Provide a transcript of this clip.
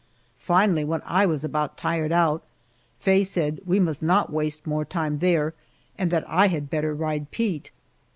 Finally, when I was about tired out, Faye said we must not waste more time there and that I had better ride Pete.